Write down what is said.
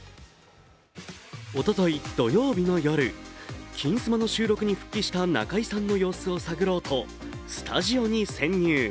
おととい土曜日の夜、「金スマ」の収録に復帰した中居さんの様子を探ろうとスタジオに潜入。